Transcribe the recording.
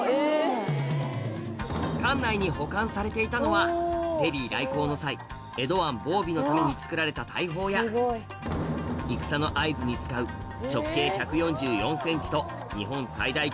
館内に保管されていたのはペリー来航の際江戸湾防備のために造られた大砲や戦の合図に使うさらに！